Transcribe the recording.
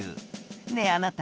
「ねぇあなた